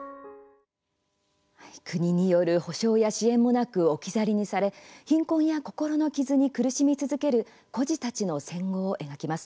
国による補償や支援もなく置き去りにされ貧困や心の傷に苦しみ続ける孤児たちの戦後を描きます。